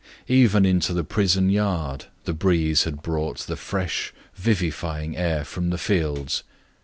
Even into the prison yard the breeze had brought the fresh vivifying air from the fields.